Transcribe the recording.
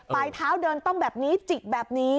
ปลายเท้าเดินต้องแบบนี้จิกแบบนี้